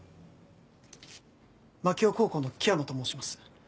槙尾高校の樹山と申します。